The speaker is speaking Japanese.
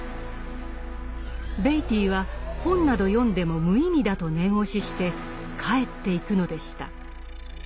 ベイティーは本など読んでも無意味だと念押しして帰っていくのでした。